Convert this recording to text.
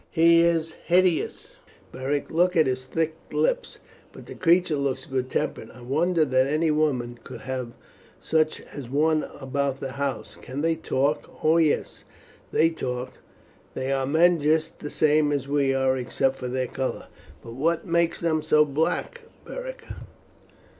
"He is hideous, Beric; look at his thick lips. But the creature looks good tempered. I wonder that any woman could have such an one about the house. Can they talk?" "Oh, yes, they talk. They are men just the same as we are, except for their colour." "But what makes them so black, Beric?"